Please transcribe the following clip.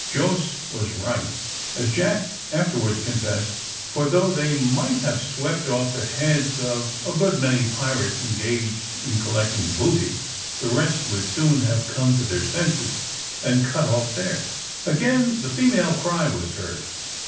Jos was right, as Jack afterwards confessed, for though they might have swept off the heads of a good many pirates engaged in collecting booty, the rest would soon have come to their senses and cut off theirs. Again the female cry was heard.